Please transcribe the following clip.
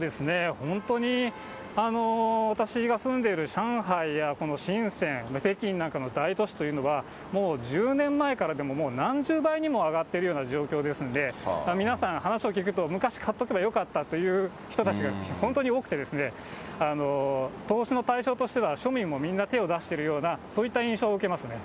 本当に私が住んでる上海や、この深セン、北京なんかの大都市というのは、もう１０年前から何十倍にも上がっているような状況ですので、皆さん、話を聞くと、昔買っておけばよかったという人たちが本当に多くて、投資の対象としては、庶民もみんな手を出してるような、そういった印象を受けますね。